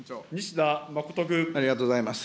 ありがとうございます。